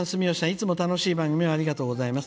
いつも楽しい番組をありがとうございます。